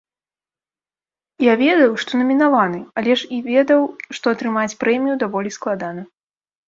Я ведаў, што намінаваны, але ж і ведаў, што атрымаць прэмію даволі складана.